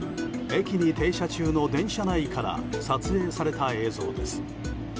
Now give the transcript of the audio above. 駅に停車中の電車内から撮影された映像です。